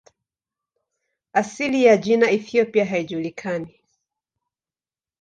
Asili ya jina "Ethiopia" haijulikani.